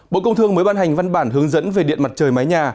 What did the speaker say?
bộ công thương mới ban hành văn bản hướng dẫn về điện mặt trời mái nhà